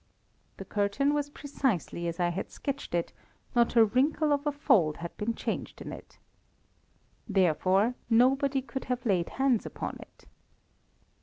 The curtain was precisely as I had sketched it, not a wrinkle of a fold had been changed in it. Therefore, nobody could have laid hands upon it.